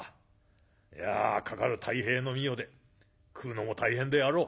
いやかかる太平の御代で食うのも大変であろう。